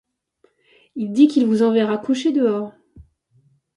Il dit qu’il vous enverra coucher dehors.